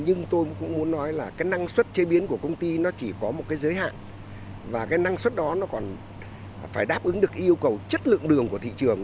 nhưng tôi cũng muốn nói là năng suất chế biến của công ty chỉ có một giới hạn và năng suất đó còn phải đáp ứng được yêu cầu chất lượng đường của thị trường